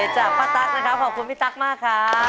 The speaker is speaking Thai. จากป้าตั๊กนะครับขอบคุณพี่ตั๊กมากครับ